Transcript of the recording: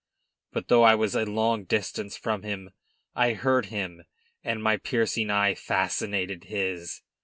But, though I was a long distance from him, I heard him, and my piercing eye fascinated his.